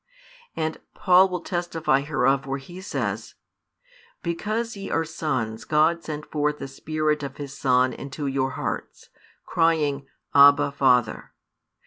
|321 And Paul will testify hereof where he says: Because ye are sons God sent forth the Spirit of His Son into your hearts, crying, Abba, Father.